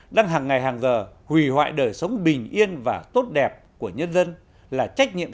đang hàng ngày hàng giờ hủy hoại đời sống bình yên và tốt đẹp của nhân dân là trách nhiệm